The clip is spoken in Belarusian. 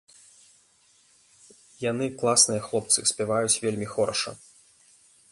Яны класныя хлопцы, спяваюць вельмі хораша.